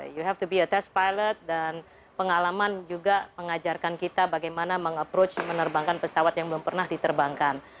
you have to be a test pilot dan pengalaman juga mengajarkan kita bagaimana meng approach menerbangkan pesawat yang belum pernah diterbangkan